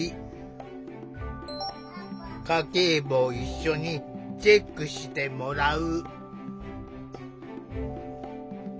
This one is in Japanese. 家計簿を一緒にチェックしてもらう。